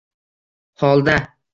Holda